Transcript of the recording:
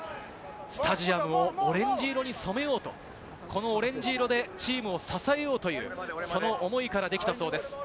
スタジアムをオレンジ色に染めようと、オレンジ色でチームを支えようという、その思いからできたそうです。